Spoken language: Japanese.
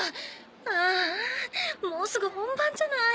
ああもうすぐ本番じゃない。